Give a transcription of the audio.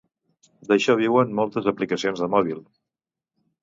D'això viuen moltes aplicacions de mòbil.